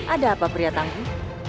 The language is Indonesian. ada apa pria tangguh